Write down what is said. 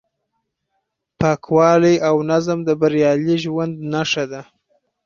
پاکوالی او نظم د بریالي ژوند نښه ده.